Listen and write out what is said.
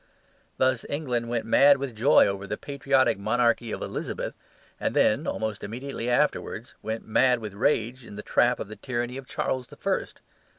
Thus England went mad with joy over the patriotic monarchy of Elizabeth; and then (almost immediately afterwards) went mad with rage in the trap of the tyranny of Charles the First.